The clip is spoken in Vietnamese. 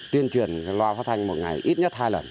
tuyên truyền loa phát thanh một ngày ít nhất hai lần